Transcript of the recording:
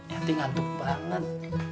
ya ti ngantuk banget